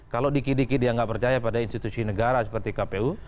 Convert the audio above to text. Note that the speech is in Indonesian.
kalau dikit dikit dia tidak percaya pada institusi negara seperti kpu